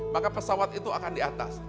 maka pesawat itu akan di atas